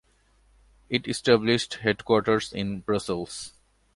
It established headquarters in Brussels.